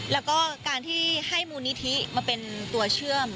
แล้วก็การที่ให้มูลนิธิมาเป็นตัวเชื่อม